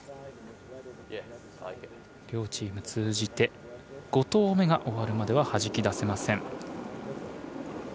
両チーム通じて５投目が終わるまでははじき出せません。